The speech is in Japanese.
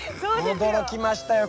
驚きましたよ